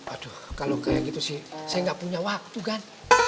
aduh kalau kayak gitu sih saya nggak punya waktu kan